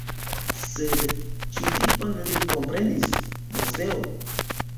Sed, ĉu vi bone lin komprenis, Moseo?